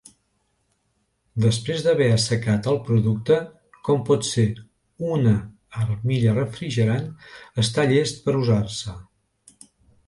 Després d'haver assecat el producte, com pot ser una armilla refrigerant, està llest per usar-se.